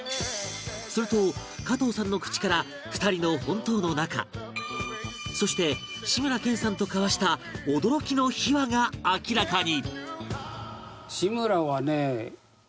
すると加藤さんの口から２人の本当の仲そして志村けんさんと交わした驚きの秘話が明らかに